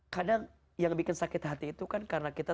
kadang yang bikin sakit hati itu kan karena kita